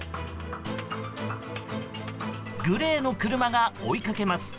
グレーの車が追いかけます。